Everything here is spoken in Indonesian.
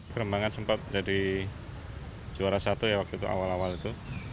kerembangan sempat jadi juara satu ya waktu itu awal awal itu